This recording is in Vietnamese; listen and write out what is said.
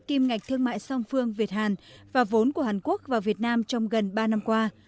kim ngạch thương mại song phương việt hàn và vốn của hàn quốc vào việt nam trong gần ba năm qua